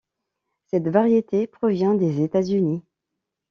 Cette variété provient des États-Unis.